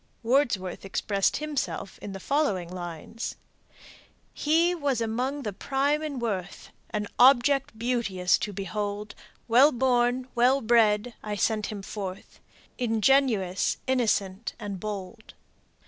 Wordsworth expressed himself in the following lines: "He was among the prime in worth, An object beauteous to behold; Well born, well bred; I sent him forth Ingenuous, innocent, and bold."